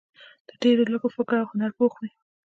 د ډېرو لږو فکر او هنر پوخ وي.